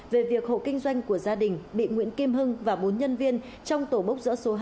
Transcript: về việc hộ kinh doanh của gia đình bị nguyễn kim hưng và bốn nhân viên trong tổ bốc dỡ số hai